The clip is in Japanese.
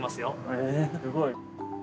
えすごい。